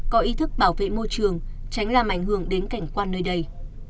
có ý thức bảo vệ môi trường tránh làm ảnh hưởng đến cảnh quan nơi đây